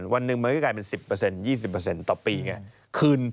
วันหนึ่งมันก็กลายเป็น๑๐๒๐ต่อปีไง